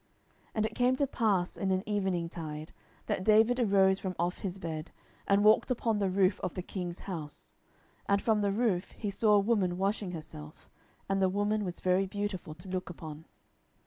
10:011:002 And it came to pass in an eveningtide, that David arose from off his bed, and walked upon the roof of the king's house: and from the roof he saw a woman washing herself; and the woman was very beautiful to look upon.